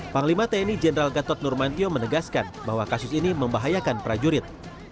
panglima tni jenderal gatot nurmantio menegaskan bahwa kasus ini membahayakan prajurit